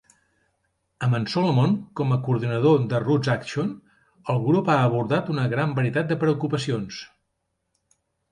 Amb en Solomon com a coordinador de RootsAction, el grup ha abordat una gran varietat de preocupacions.